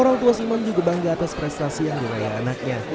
orang tua siman juga bangga atas prestasi yang diraih anaknya